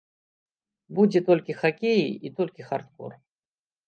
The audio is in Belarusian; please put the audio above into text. Будзе толькі хакей, і толькі хардкор!